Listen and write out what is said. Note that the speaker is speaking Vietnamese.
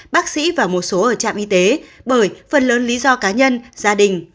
bác sĩ và một số ở trạm y tế bởi phần lớn lý do cá nhân gia đình